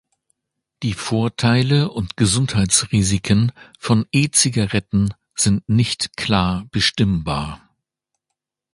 Die Vorteile und Gesundheitsrisiken von E-Zigaretten sind nicht klar bestimmbar.